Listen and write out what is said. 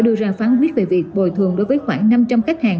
đưa ra phán quyết về việc bồi thường đối với khoảng năm trăm linh khách hàng